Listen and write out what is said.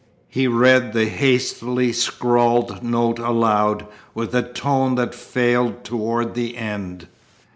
He read the hastily scrawled note aloud with a tone that failed toward the end.